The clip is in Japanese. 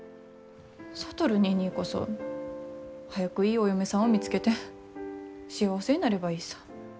智ニーニーこそ早くいいお嫁さんを見つけて幸せになればいいさ。